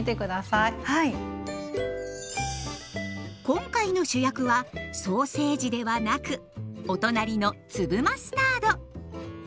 今回の主役はソーセージではなくお隣の粒マスタード。